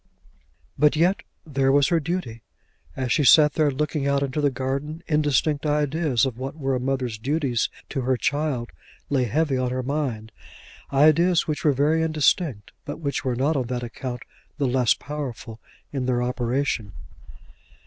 But yet there was her duty! As she sat there looking out into the garden indistinct ideas of what were a mother's duties to her child lay heavy on her mind, ideas which were very indistinct, but which were not on that account the less powerful in their operation.